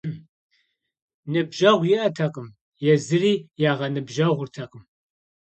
Ныбжьэгъу иӀэтэкъым, езыри ягъэныбжьэгъуртэкъым.